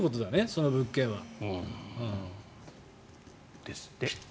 その物件は。ですって。